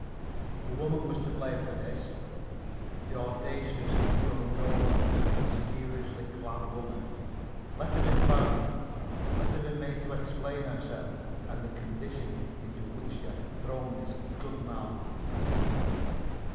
The woman was to blame for this the audacious, the unknown, the mysteriously clad woman. Let her be found. Let her be made to explain herself and the condition into which she had thrown this good man.